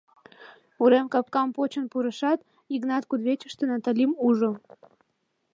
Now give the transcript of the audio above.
Урем капкам почын пурышат, Йыгнат кудывечыште Наталим ужо.